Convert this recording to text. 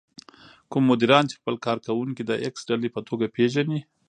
کوم مديران چې خپل کار کوونکي د ايکس ډلې په توګه پېژني.